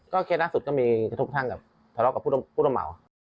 ก็เครตนักศุษย์ก็มีกระทบทั้งกับทะเลาะกับผู้ต่อเหมา